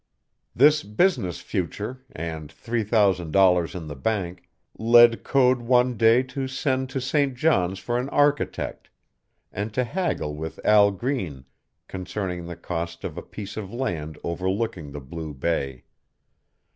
This business future, and three thousand dollars in the bank, led Code one day to send to St. John's for an architect, and to haggle with Al Green concerning the cost of a piece of land overlooking the blue bay.